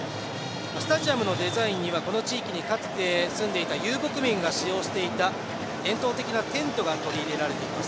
スタジアムのデザインにはこの地域にかつて暮らしていた遊牧民が使用していた伝統的なテントが取り入れられています。